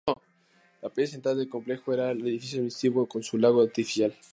La pieza central del complejo era el edificio administrativo con su lago artificial.